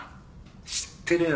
知ってるよ。